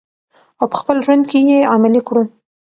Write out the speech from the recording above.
او په خپل ژوند کې یې عملي کړو.